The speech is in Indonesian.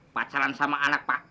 pacaran sama anak pak